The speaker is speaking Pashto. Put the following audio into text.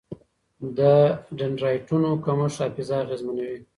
د ډنډرایټونو کمښت حافظه اغېزمنوي.